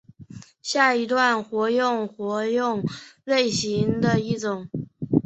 下一段活用活用类型的一种。